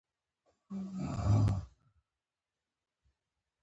ایا زه باید ماشوم ته شیدې ورکړم؟